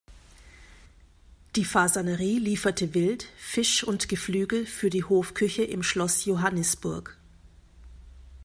Die Fasanerie lieferte Wild, Fisch und Geflügel für die Hofküche im Schloss Johannisburg.